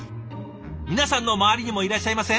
皆さんの周りにもいらっしゃいません？